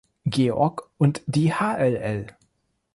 Georg und die Hll.